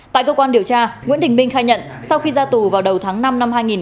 tại cơ quan điều tra nguyễn đình minh khai nhận sau khi ra tù vào đầu tháng năm năm hai nghìn hai mươi